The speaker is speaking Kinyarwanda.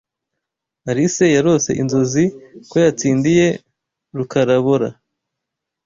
Alice yarose inzozi ko yatsindiye Rukarabora.